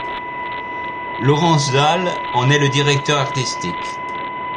Laurence Dale en est le directeur artistique.